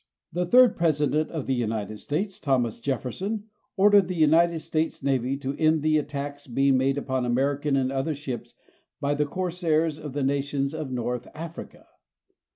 The third President of the United States, Thomas Jefferson, ordered the United States Navy to end the attacks being made upon American and other ships by the corsairs of the nations of North Africa.